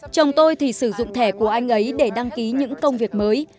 chồng tôi thì sử dụng thẻ của anh ấy để đăng ký những công việc mới